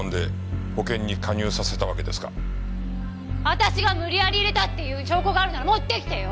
私が無理やり入れたっていう証拠があるなら持ってきてよ！